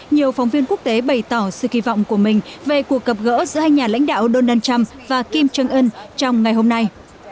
nhiều phóng viên quốc tế bày tỏ sự kỳ vọng của mình về cuộc gặp gỡ giữa hai nhà lãnh đạo donald trump và kim jong un trong ngày hôm nay